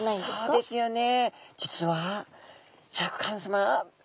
そうですよね。